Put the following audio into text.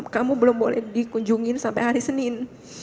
kamu belum boleh dikunjungin sampai hari senin